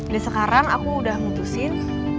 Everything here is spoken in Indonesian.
dari sekarang aku sudah memutuskan